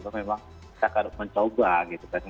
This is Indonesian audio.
memang kita harus mencoba gitu kan